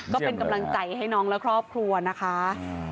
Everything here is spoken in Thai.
ก็เป็นกำลังใจให้น้องและครอบครัวนะคะ